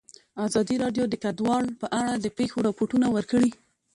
ازادي راډیو د کډوال په اړه د پېښو رپوټونه ورکړي.